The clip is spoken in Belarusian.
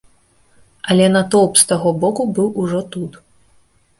Але натоўп з таго боку быў ужо тут.